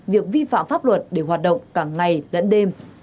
việc vi phạm pháp luật để hoạt động cả ngày lẫn đêm